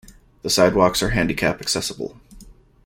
The sidewalks are handicap accessible.